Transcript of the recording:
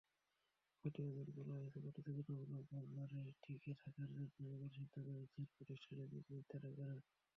প্রতিবেদনে বলা হয়েছে, প্রতিযোগিতামূলক বাজারে টিকে থাকার জন্য এমন সিদ্ধান্ত নিচ্ছেন প্রতিষ্ঠানের নীতিনির্ধারকেরা।